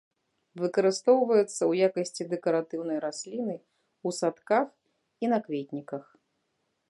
Выкарыстоўваецца ў якасці дэкаратыўнай расліны ў садках і на кветніках.